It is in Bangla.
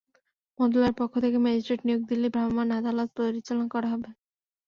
মন্ত্রণালয়ের পক্ষ থেকে ম্যাজিস্ট্রেট নিয়োগ দিলেই ভ্রাম্যমাণ আদালত পরিচালনা করা হবে।